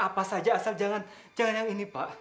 apa saja asal jangan yang ini pak